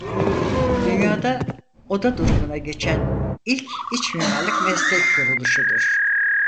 Dünya'da oda durumuna geçen ilk içmimarlık meslek kuruluşudur.